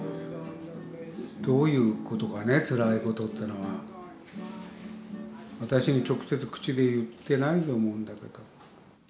どういうことがねつらいことっていうのは私に直接口で言ってないと思うんだけど。